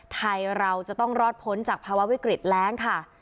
ไทยเราจะต้องรอดพ้นจากภาวะวิกฤตแร้งค่ะ